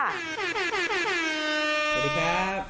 สวัสดีครับ